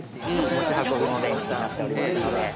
◆持ち運びも便利になっておりますので。